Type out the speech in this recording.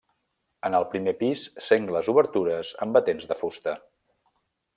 En el primer pis sengles obertures amb batents de fusta.